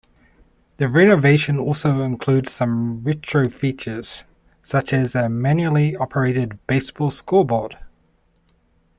The renovation also includes some retro-features, such as a manually operated baseball scoreboard.